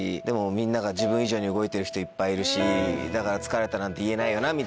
でもみんなが自分以上に動いてる人いっぱいいるしだから「『疲れた』なんて言えないよな」